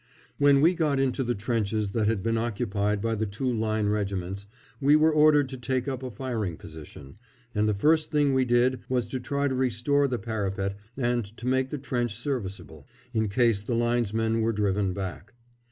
When we got into the trenches that had been occupied by the two Line regiments we were ordered to take up a firing position, and the first thing we did was to try and restore the parapet and to make the trench serviceable, in case the Linesmen were driven back.